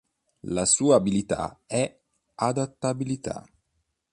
La sua abilità è Adattabilità.